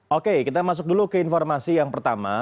oke kita masuk dulu ke informasi yang pertama